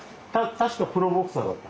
確かプロボクサーだった。